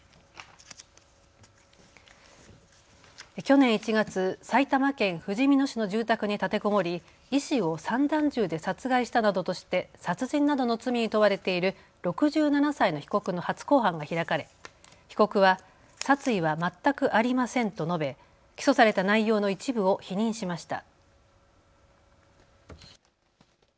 去年１月、埼玉県ふじみ野市の住宅に立てこもり医師を散弾銃で殺害したなどとして殺人などの罪に問われている６７歳の被告の初公判が開かれ、被告は殺意は全くありませんと述べ、起訴された内容の一部を否認しました。